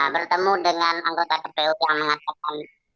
bertemu dengan anggota kpu yang mengatakan